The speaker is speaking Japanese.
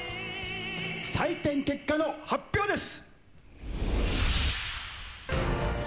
採点結果の発表です！